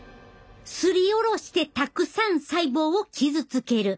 すりおろしてたくさん細胞を傷つける。